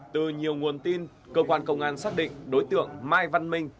từ nhiều nguồn tin cơ quan công an xác định đối tượng mai văn minh